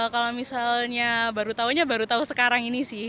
kalau misalnya baru tahunya baru tahu sekarang ini sih